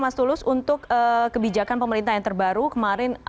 mas tulus untuk kebijakan pemerintah yang terbaru kemarin